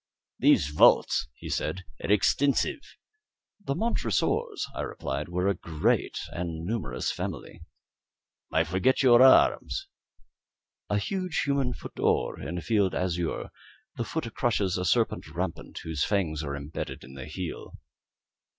"These vaults," he said, "are extensive." "The Montresors," I replied, "were a great and numerous family." "I forget your arms." "A huge human foot d'or, in a field azure; the foot crushes a serpent rampant whose fangs are imbedded in the heel."